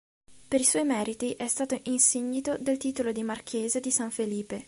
Per i suoi meriti è stato insignito del titolo di marchese di San Felipe.